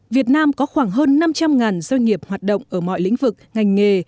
việt nam có khoảng hơn năm trăm linh doanh nghiệp hoạt động ở mọi lĩnh vực ngành nghề